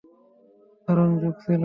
দারুণ জোক ছিল!